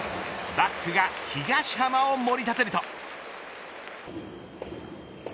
バックが東浜を盛り立てると。